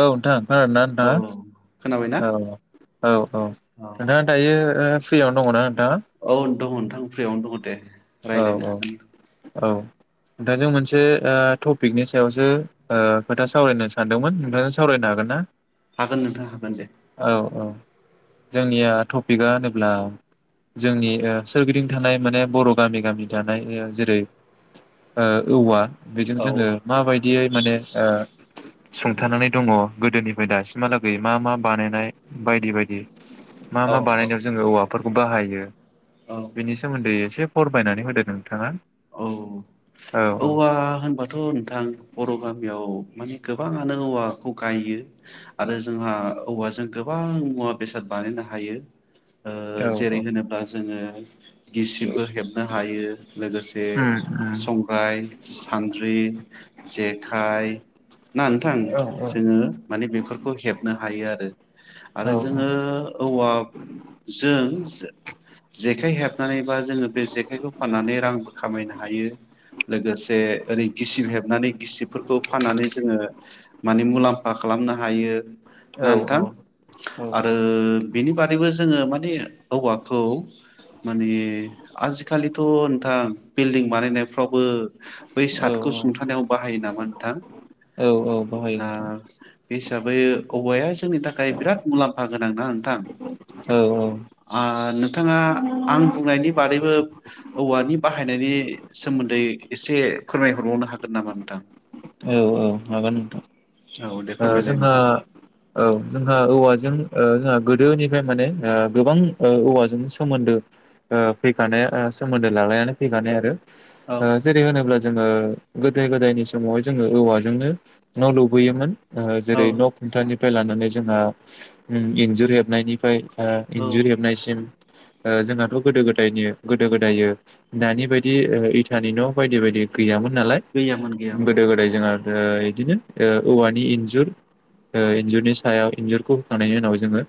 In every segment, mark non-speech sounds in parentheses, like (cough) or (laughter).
औ नोंथां खोनादोंना औ खोनाबायना नोंथाङा औ औ औ नोंथाङा दायो फ्रियावनो दङना। नोंथाङा औ। दङ नोंथां फ्रियावनो दङ दे। औ रायज्लायनो औ औ। नोंथांजों मोनसे ओ टपिकनि सायावसो ओ खोथा सावरायनो सानदोंमोन नोंथांजों सावरायनो हागोन ना? हागोन नोंथां हागोन दे। औ औ जोंनिया टपिकआ होनोब्ला जोंनि ओ सोरगिदिं थानाय माने बर' गामि गामि दानाय जेरै ओ औवा। बेजों औ जोङो माबायदियै माने ओ सुंथानानै दङ गोदोनिफ्राय दासिमहालागै मा मा बानायनाय बायदि बायदि। मा औ मा औ बानायनायाव जोङो औवाफोर खौ बाहायो। औ बेनि सोमोन्दै एसे (unintelligible) नानै होदो नोंथाङा। औ औ औ औवा होनबाथ' नोंथां बर' गामियाव माने गोबाङानो औवाखौ गायो आरो जोंहा औवाजों गोबां मुवा बेसाद बानायनो हायो। ओ औ औ जेरै होनोब्ला जोङो। गिसिबो हेबनो हायो। लोगोसे। उम बे उम संग्राय। सान्द्रि जेखाइ। ना नोंथां औ जोङो। माने बेफोरखौ हेबनो हायो आरो आरो औ जोङो औवाजों जेखाइ हेबनानैबा जोङो बे जेखाइखौ फाननानै रां। खामायनो हायो लोगोसे ओरै गिसिब हेबनानै गिसिबफोरखौ फाननानै जोङो माने मुलाम्फा खालामनो हायो। औ ना नोंथां औ आरो बिनि बादैबो जोङो माने। औवाखौ माने आजिखालिथ' नोंथां। बिल्डिं बानायनायफ्रावबो। बै औ सार्तखौ सुंथानायाव बाहायो नामा नोंथां। औ औ बाहायो दा नोंथां बे। हिसाबै औवाया जोंनि थाखाय बिराद मुलाम्फा गोनां दां। थां औ ओ नोंथाङा आं बुंनायनि बादैबो। औवानि बाहायनायनि सोमोन्दै एसे फोरमायहरबावनो हागोन नामा नोंथां। औ -औ- हागोन नोंथां। औ दे ओ फोरमायलाय जोंहा नोंथां औ जोंहा औवाजों ओ। जोंहा गोदोनिफ्राय माने ओ गोबां ओ औवाजों सोमोन्दो ओ फैखानाय ओ सोमोन्दो लायानानै फैखानाय आरो। ओ औ जेरै होनोब्ला। जोङो गोदो गोदायनि समावहाय जों। जोङो औवाजोंनो न' लुबोयोमोन। ओ औ जेरै न' खुन्थानि। नि लानानै जोंहा उ इन्जुर हेबनायनिफ्राय। ओ औ इन्जुर हेबनायसिम। ओ जोंहाथ' गोदो गोदायनि गोदो गोदायो दानि बायदि ओ इथानि न' बायदि बायदि गैयामोन। नालाय गैयामोन गैयामोन। गोदो गोदाय जोंहा ओ बिदिनो ओ औवानि इन्जुर इन्जुरनि सायाव इन्जुरखौ होखांनायनि उनाव जोङो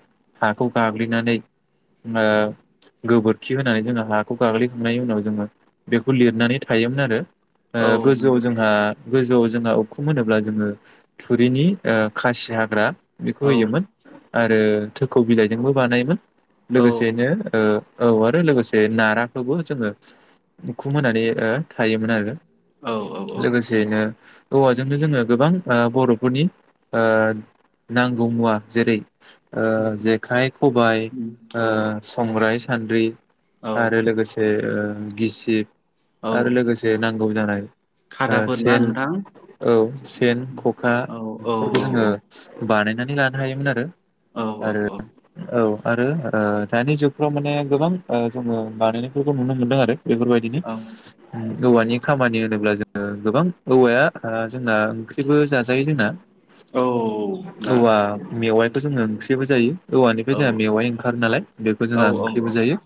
हाखौ गाग्लिनानै। ओ। गोबोरखि होनानै जोङो हाखौ गाग्लिखांनायनि उनाव जोङो बेखौ लिरनानै थायोमोन आरो। ओ औ गोजौआव नंगौ जोंहा गोजौआव जोंहा उखुम होनोब्ला जोङो थुरिनि ओ खासि हाग्रा बेखौ औ होयोमोन। आरो थोखौ बिलाइजोंबो बानायोमोन। औ लोगोसेैनो ओ औ आरो लोगोसे नाराखौबो जोङो उखुम होनानै थायोमोन आरो। औ औ औ। ओ औवाजोंनो जोङो गोबां ओ बर'फोरनि ओ नांगौ मुवा जेरै ओ जेखाइ खबाइ औ ओ संग्राय सानद्रि औ आरो लोगोसे ओ गिसिब औ आरो लोगोसे नां बुं जानाय ओ खादाफोर ना सेन नोंथां औ सेन, ख'खा औ औ बेफोरखौ औ जोङो औ बानायनानै लानो हायोमोन आरो। औ आरो औ औ। आरो ओ दानि जुगफ्राव माने गोबां ओ जोङो बानायनायफोरखौ नुनो मोनदों आरो। बेफोरबायदिनो औ सि औवानि खामानि जेब्ला जों ओ गोबां औवाया ओ जोंना ओंख्रिबो जाजायो जोंना औ ना औवा मेवाइ बेखौ जोङो ओंख्रिबो जायो। औवानिफ्राय औ जोंहा मेवाइ ओंखारो नालाय बेखौ औ जोंहा ओंख्रिबो जायो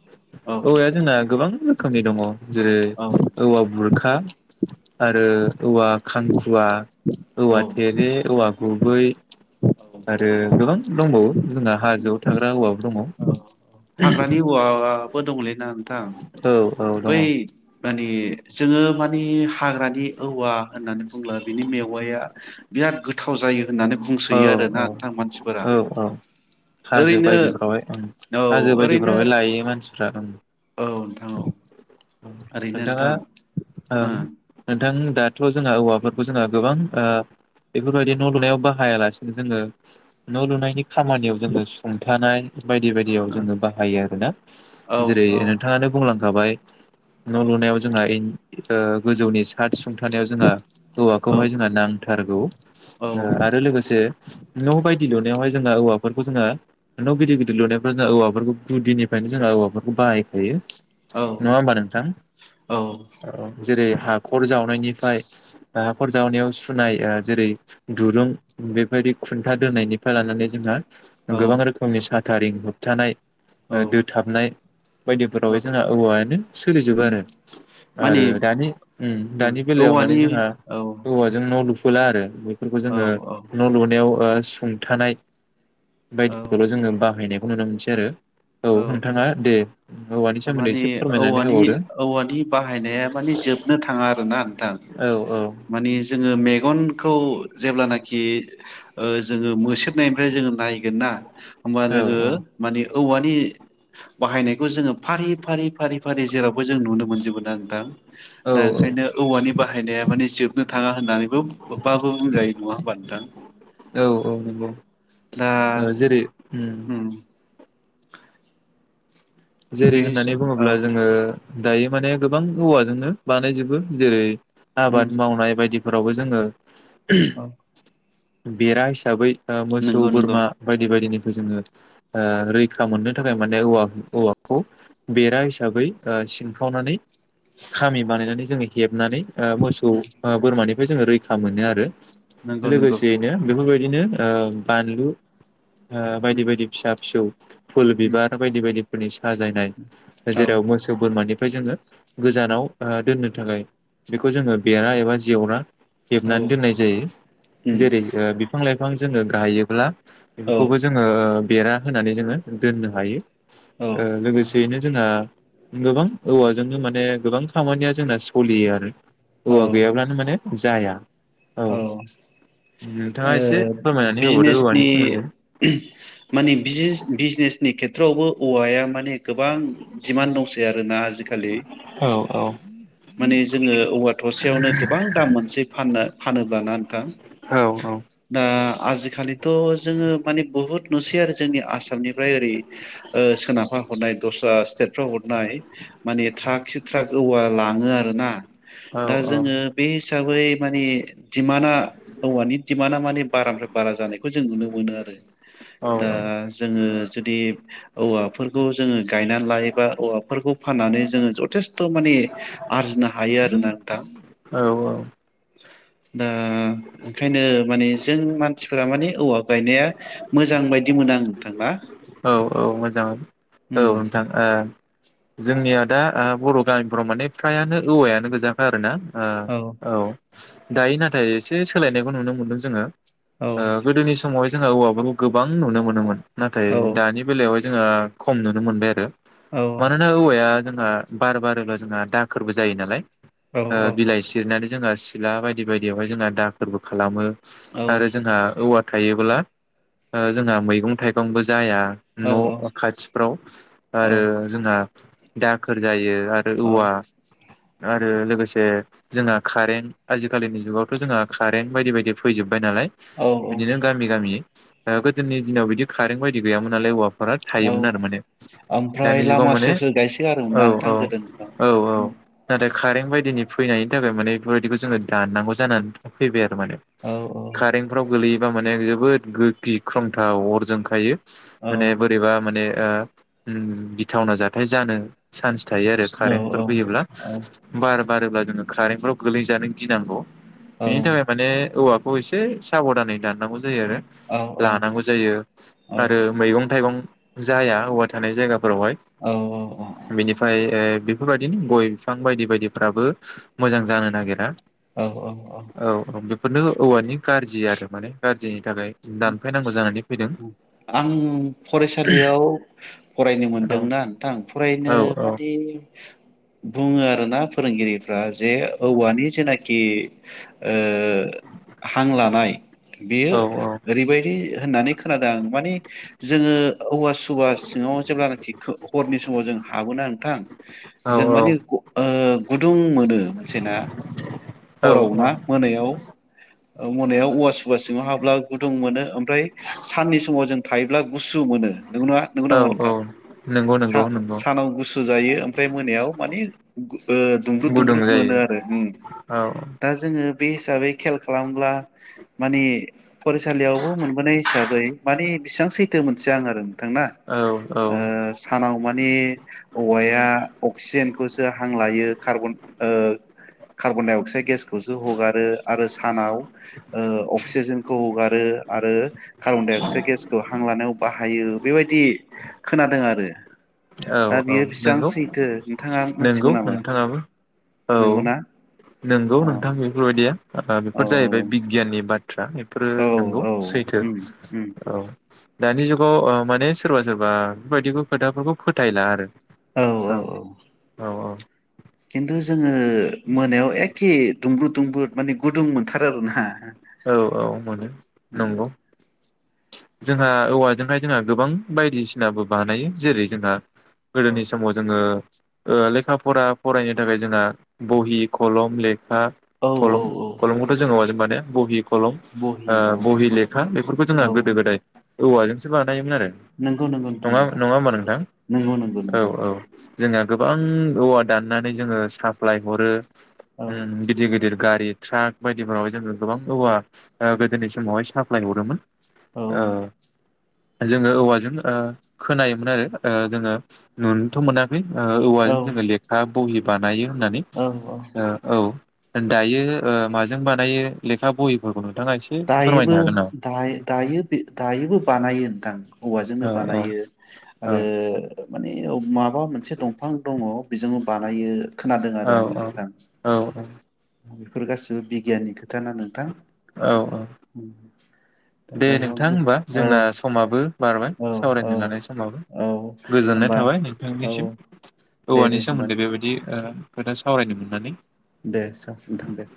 औ औवाया जोंना गोबां रोखोमनि दङ जेरै औ औवा बुरखा ओ औवा खांखुवा औवा थेरे, औवा गुबै आरो गोबां दंबावो जोंहा हाजोआव थाग्रा हौवाबो दङ। हाग्रानि औवाबो दंलैना नोंथां? औ औ दङ बै औ माने जोङो मा मानि हाग्रानि औवा होननानै बुङोब्ला बिनि मेवाइया बिराद गोथाव जायो। होननानै औ बुंसोयो आरो ना नोंथां मानसिफोरा औ औ हाजो ओरैनो बायदिफ्रावहाय औ हाजो ओरैनो बायदिफ्रावहाय लायो मानसि फ्रा ओम। औ नों नोंथाङा ओ नोंथां दाथ' जोंहा औवाफोरखौ जोंहा गोबां बेफोरबायदि न' लुनायाव बाहायालासिनो जोङो न' लुनायनि खामानियाव जोङो सुंथानाय बायदि बायदियाव जोङो बाहायो आर ना जेरै ओ नोंथाङानो बुंलां खाबाय औ न' लुनायाव जोंहा इन ओ गोजौनि साथस सुंथानायाव जोंहा औ औवाखौहाय जोंहा नांथारगौ औ आरो लोगोसे न' बायदि लुनायावहाय जोंहा औवाफोरखौ जोंहा न' गिदिर गिदिर लुनायफ्रा जों औवाफोरखौ गुदिनिफ्रायनो जोंहा औवाफोरखौ बाहायखायो। औ नङा होमबा नोंथां? औ जेरै हाखर जावनायनिफ्राय हाखर जावनायाव सुनाय जेरै दुरुं बेबायदि खुन्था दोननायनिफ्राय लानानै जोंहा औ गोबां रोखोमनि साथ कारिं होबथानाय। उम दोथाबनाय बायदिफोराव (inaudible) औवायानो सोलिजोबो आरो माने आरो दानि ओम दानि बेलायाव माने औवानि जोंहा औ औवाजों न' (inaudible) आरो बेखौ औ जोङो औ न' लुनायाव ओ सुंथानाय औ बायदिखौल' जोङो बाहायनाय बुंनो नांसै आरो। औ नोंथाङा दे औवानि सोमोन्दै माने एसे फोरमायनानै औवानि होबावदो औवानि बाहायनाया माने जोबनो थाङा आरोना नोंथां औ औ माने जोङो मेगनखौ जेब्लानाखि ओ जोङो मोसेेबनायनिफ्राय जोङो नायगोन ना ओमबा औ जोङो माने औवानि (inaudible) बाहायनायखौ जोङो फारि फारि फारि फारि जेरावबो जों नुनो मोनजोबो ना नोंथां औ दा ओंखायनो औवानि बा बाहायनाया माने जोबनो थाङा होननानै (inaudible) बुंजायो नङा होमबा‌ नोंथां? औ औ नंगौ। दा ओ जेरै ओम। उम जेरै बे हिसा होननानै औ बुङोब्ला जोङो दायो माने गोबां औवाजोंनो बानायजोबो जेरै उम आबाद मावनाय बायदि फोरावबो जोङो औ (unintelligible) बेरा हिसाबै ओ मोसौ नंगौ नंगौ बोरमा बायदि बायदिनि जोंओ ओ रैखा मोननो थाखाय माने ओवा खौ बेरा हिसाबै ओ सिनखावनानै खामि बानायनानै जोङो हेबनानै ओ मोसौ उम ओ बोरमानि बे जोङो रैखा मोनो आरो। नंगौ नंगौ लोगोसेयैनो बेफोरबायदिनो ओ बानलु बायदि उम बायदि फिसा फिसौ फुल उम बिबार बायदि बायदि। फोरनि साजायनाय‌। औ जेराव मोसौ बोरमानि ओमफ्राय जोङो गोजानाव दोननो थाखाय औ हेबनानै दोननाय जायो उम जेरै बिफां लाइफां जोङो गायोब्ला औ बेखौबो जोङो बेरा होनानै जोङो दोननो हायो। औ ओ लोगोसेैयैनो जोंहा गोबां औवाजोंनो माने गोबां खामानिया जोंना स'लियो आरो। औवा गैयाब्लानो माने जाया। औ नोंथाङा एसे फोरमायनानै होबावदो औवानि बिजनेसनि सोमोन्दै माने बिजनेसनि खे फ्रावबो औवाया माने गोबां दिमान्ड दंसै आरोना आजिखालि औ औ माने जोङो औवा थसेयावनो गोबां दाम मोनसै। फानोबा ना नोंथां औ औ दा आजिखालिथ' जोङो माने बुहुत नुसै आरो जोंनि आसामनिफ्राय ओरै सेटफ्राव हरनाय (unintelligible) होना औ दा औ जोंङो बे हिसाबै माने दिमान्डआ औवानि दिमान्डा माने बारानिफ्राइ बारा जानायखौ जों नुनो मोनो आरो। दा जोङो जुदि औवाफोरखौ जोङो गायना लायोबा औवाफोरखौ फाननानै जो औ औ। दा ओंखायनो माने जों मानसिफोरा मानि औवा गायनाया मोजां बायदि मोनो आं नोंथांना। औ औ मोजां औ नोंथां ओ। जोंनिया दा ओ बर' गामिफोराव फ्राय आनो औवायानो गोजाखा आरो ना। ओ औ दायो नाथाय एसे सोलायनायखौ नुनो मोनदों जोङो। औ दा गोदोनि समावहाय जोंहा औवाफोरखौ गोबां नुनो मोनोमोन। नाथाय औ दानि बेवहाय जोङो खम नुनो मोनबाय आरो मानोना औवाया जोंहा बार बारोबा जोंहा दाखोरबो जायो नालाय। औ ओ बिलाइ सिरिनानै। जोंहा सिला बायदि बायदियावहाय जोंहा दाखोरबो खालामो। औ आरो जोंहा औवा थायोब्ला जोंहा ओ मैगं थाइगंबो जाया। औ न' खाथिफ्राव औ आरो जोंहा दाखोर जायो। आरो औ औवा आरो लोगोसे जोंहा कारेन्ट आजिखालिनि जुगावथ' जोंहा कारेन्ट बायदि बायदि फैजोब बाय नालाय औ बिदिनो गामि गामि। ओ गोदोनि दिनाव बिदि कारेन्ट बायदि गैयामोन नाय औवा फोरा औ थायोमोन आरो माने ओमफ्राय दानि जुगाव लामा माने सेर सेर गायसोगारोमोन औ ना नोंथां औ गोदोनि दिनाव औ औ नाथाय कारेन्ट बायदिनि फैनायनि थाखाय माने बेफोरबायदिखौ जोङो दाननांगौ जानानै फैबाय। औ कारेन्टफ्राव गोलैयो बा माने जोबोद गो-गिख्रंथाव अर जोंखायो। माने बोरैबा माने ओ ओम गिथावना जाथाय जानो चान्स थायो आरो औ कारेन्टफोर औ फैयोब्ला। औ बार बारोब्ला जोङो कारेन्टफ्राव गोलैजानो गिनांगौ। बेनि औ थाखाय माने औवा खौ एसे साबधानै दाननांगौ जायो आरो औ लानांगौ जायो। आरो मैगं थाइगं जाया औवा थानाय जायगा फोरावहाय। औ बिनिफ्राय ओ बेफोरबायदिनो गय बिफां बायदि बायदिफ्राबो मोजां जानो नागिरा। औ औ बेफोरनो औवानि गाज्रि आरो माने गाज्रिनि थाखाय दानफै नांगौ जानानै फैदों। आं फरायसालियाव फरायनो औ मोनदोंना नोंथां? फरायनो औ औ मादि बुङो आरोना फोरोंगिरि फ्रा जे औवानि जेनाखि ओ हां लानाय बेयो औ ओरैबायदि होननानै खोनादों आं माने जोङो औवा सुबा सिङाव जेब्ला नाखि हरनि समाव जों हाबोना नोंथां औ जों माने ग ओ गुदुं मोनो मोनसे ना हराव ना औ मोनायाव औ मोनायाव औवा सुबा सिङाव हाबब्ला गुदुं मोनो ओमफ्राय साननि समाव जों थायोब्ला गुसु मोनो। नोंगौना नोंगौ औ नामा औ नोंथां नंगौ सा नंगौ नंगौ सानाव गुसु सुजायो ओमफ्राय मोनायाव माने गु बो दुंब्रुद गुदुं दुंब्रुद मोनो जायो आरो उम औ दा जोङो बे हिसाबै खेल खालामब्ला माने फरायसालि यावबो मोन बोनाय हिसाबै माने बेसां सैथो मोनथिया आं आरो। थांना औ औ ओ सानाव माने औवाया अक्सिजेन खौसो हां लायो कार्बन ओ कार्बन-डाइ-अक्साइद गेस खौसो हगारो आरो सानाव ओ अक्सिजेन खौ हगारो आरो कार्बन-डाइ-अक्साइद गेसखौ हां लानायाव बाहायो बेबायदि खोनादों आरो। औ दा औ बियो बेसेबां नंगौ सैथो नोंथाङा मोनथिगौ नंगौ नामा नोंथाङाबो औ नंगौना नंगौ अ नोंथां बेफोर बायदिया। ओ औ बेफोर जाहैबाय बिगियाननि बाद फ्रा बेफोरो औ नोंगौ औ सैथो उम उम औ दानि जुगाव ओ माने सोरबा सोरबा बेबादिखौ खोथा फोरखौ फोथायला आरो। औ औ औ। खिन्थु जोङो ओ मोनायाव एखे दुंब्रुद दुंब्रुद माने गुदुं मोनथारो आरोना। औ औ मोनो नंगौ। जोंहा औवा जोंहाय जोंहा गोबां बायदि सिनाबो बानायो जेरै जोंहा औ गोदोनि समाव जोङो ओ लेखा फरा फरायनो थाखाय जोंहा बहि खलम लेख खा औ औ कलम औ कलम खौथ' जों औवाजों बा बहि कलम बहि ओ औ बहि लेखा बेफोरखौ जोङो औ गोदो गोदाय। औवाजोंसो। जायोमोन आरो नंगौ नंगौ नोंथां नङा नंगौ नङा होमबा नोंथां? नंगौ नंगौ औ नंगौ औ। जोंहा गोबां औवा दाननानै जोङो साप्लाय हरो। ओम औ गिदिर गिदिर गारि ट्राक बायदिफोराव जोङो गोबां औवा ओ गोदोनि समावहाय साप्लाय हरोमोन। औ औ। जोङो औवाजों ओ खोनायोमोन आरो ओ जोङो नुनोथ' मोनाखै ओ औवाजों जोङो लेखा ब (unintelligible) नायो होननानै औ औ ओ औ दायो ओ माजों बानायो लेखा बहिफोरखौनो दायोबो दायो दायो दायोबो बानायो नोंथां। औ औवाजोंनो औ बानायो औ आरो माने माबा मोनसे दंफां दङ बेजोंनो बानायो। खोनादों आरो औ आङो नोंथां औ औ औ। बेफोर गासिबो बिगियानिक थाना नोंथां औ औ (unintelligible) दा दे जायहग नोंथां जों होमबा औ जोंना समाबो औ औ सावरायनो लानाय समाव औ गोजोननाय होमबा थाबाय औ नोंथांनिसिम दे औवानि दे होमबा सोमोन्दै बेबायदि ओ खोथा सावरायनो मोननानै दे सार नोंथां दे।